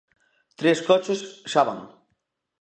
Tres coches xa van.